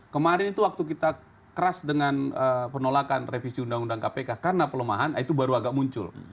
kemarin itu waktu kita keras dengan penolakan revisi undang undang kpk karena pelemahan itu baru agak muncul